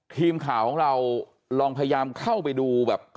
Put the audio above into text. ทีมข่าวของเราลองพยายามเข้าไปดูแบบ